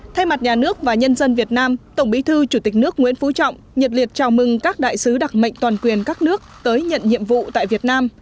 thay mặt nhà nước và nhân dân việt nam tổng bí thư chủ tịch nước nguyễn phú trọng nhiệt liệt chào mừng các đại sứ đặc mệnh toàn quyền các nước tới nhận nhiệm vụ tại việt nam